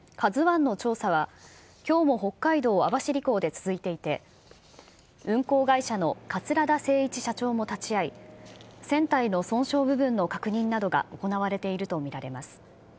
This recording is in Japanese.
ＫＡＺＵＩの調査は、きょうも北海道網走港で続いていて、運航会社の桂田精一社長も立ち会い、船体の損傷部分の確認などが行われていると見られます。